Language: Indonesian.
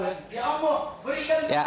dan satu malaikat lagi menjawabkan